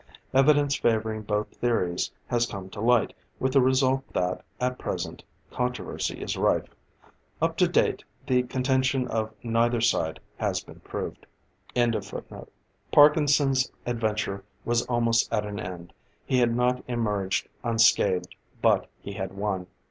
Evidence favoring both theories has come to light, with the result that, at present, controversy is rife. Up to date, the contention of neither side has been proved.] Parkinson's adventure was almost at an end. He had not emerged unscathed, but he had won!